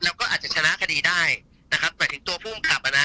แล้วก็อาจจะชนะคดีได้นะครับหมายถึงตัวผู้อำอ่ะนะ